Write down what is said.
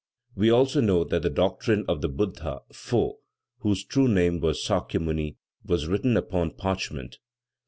We also know that the doctrine of the Buddha Fô, whose true name was Sakya Muni was written upon parchment.